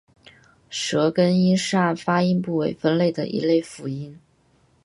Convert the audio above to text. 舌根音是按发音部位分类的一类辅音。